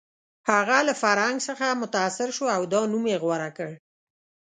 هغه له فرهنګ څخه متاثر شو او دا نوم یې غوره کړ